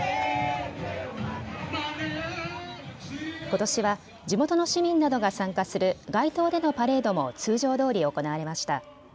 ことしは地元の市民などが参加する街頭でのパレードも通常どおり行われました。